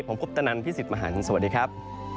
ผมพุทธนันทร์พี่สิทธิ์มหาญสวัสดีครับ